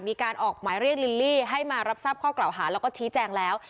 มีการออกหมายเรียกลิลลี่ให้มารับทราบข้อกล่าวหาแล้วก็ชี้แจงแล้ว